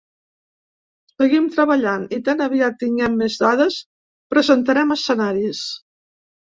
Seguim treballant, i tan aviat tinguem més dades, presentarem escenaris.